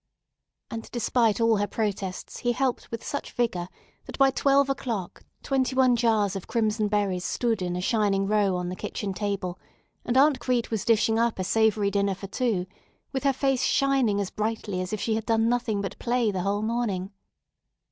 And despite all her protests he helped with such vigor that by twelve o'clock twenty one jars of crimson berries stood in a shining row on the kitchen table, and Aunt Crete was dishing up a savory dinner for two, with her face shining as brightly as if she had done nothing but play the whole morning.